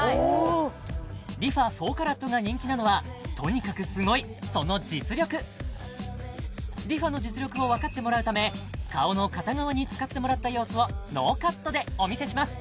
ＲｅＦａ４ＣＡＲＡＴが人気なのはとにかくすごいその実力ＲｅＦａの実力をわかってもらうため顔の片側に使ってもらった様子をノーカットでお見せします